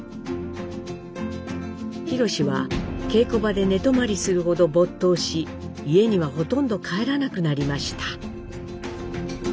宏は稽古場で寝泊まりするほど没頭し家にはほとんど帰らなくなりました。